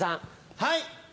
はい。